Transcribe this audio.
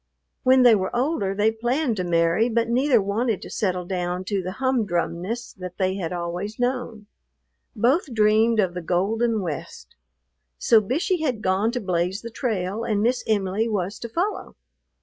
When they were older they planned to marry, but neither wanted to settle down to the humdrumness that they had always known. Both dreamed of the golden West; so Bishey had gone to blaze the trail, and "Miss Em'ly" was to follow.